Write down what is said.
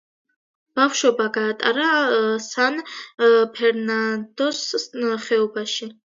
ბავშვობა გაატარა სან ფერნანდოს ხეობაში.